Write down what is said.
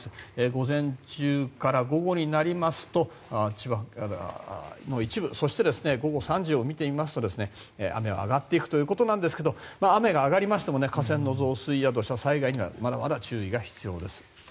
午前中から午後になりますと千葉の一部そして午後３時を見てみますと雨は上がっていくということなんですけれども雨が上がりましても河川の増水や土砂災害にはまだまだ注意が必要です。